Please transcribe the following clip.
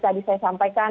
tadi saya sampaikan